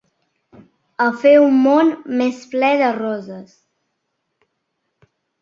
A fer un món més ple de roses.